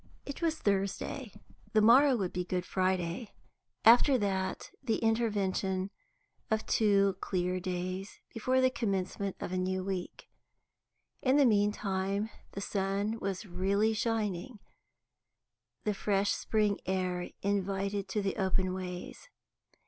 It was Thursday; the morrow would be Good Friday; after that the intervention of two clear days before the commencement of a new week In the meantime the sun was really shining, and the fresh spring air invited to the open ways.